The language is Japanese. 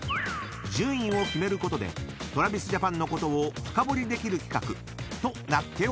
［順位を決めることでＴｒａｖｉｓＪａｐａｎのことを深掘りできる企画となっております］